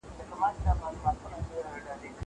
پلان د ښوونکي له خوا منظميږي.